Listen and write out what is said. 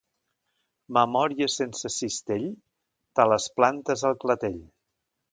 Memòries sense cistell? Te les plantes al clatell.